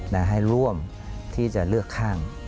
และให้ร่วมที่จะเลือกข้าง